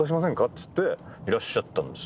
っつっていらっしゃったんです。